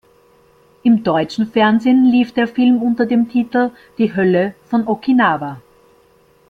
Im deutschen Fernsehen lief der Film unter dem Titel "Die Hölle von Okinawa".